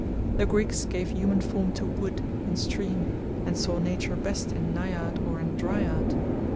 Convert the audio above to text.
The Greeks gave human form to wood and stream, and saw Nature best in Naiad or in Dryad.